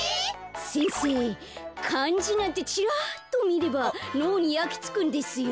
先生かんじなんてチラッとみればのうにやきつくんですよ。